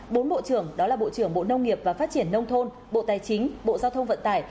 bốn bộ trưởng đó là bộ trưởng bộ nông nghiệp và phát triển nông thôn bộ tài chính bộ giao thông vận tải